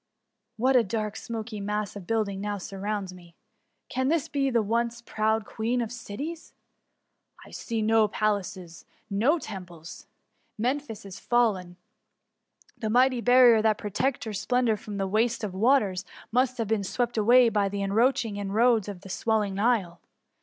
What a dark, smoky mass of buildings now surrounds me! Can this be the once proud Queen of Cities? I see no palaces, no temples — Memphis is fallen. The mighty barrier that protected her splendour from the waste of waters, must have been swept away by the encroaching in roads of the swelling Nile.